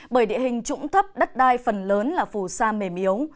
bởi địa hình trũng thấp đất đai phần lớn là phù sa mềm yếu